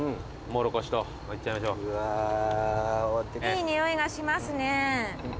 いい匂いがしますね。